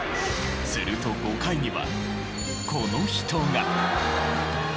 すると５回にはこの人が！